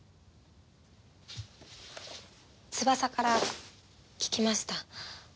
翼から聞きました。